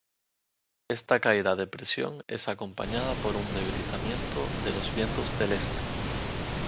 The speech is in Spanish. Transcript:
Esta caída de presión es acompañada por un debilitamiento de los vientos del este.